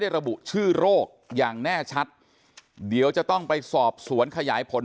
ระบุชื่อโรคอย่างแน่ชัดเดี๋ยวจะต้องไปสอบสวนขยายผล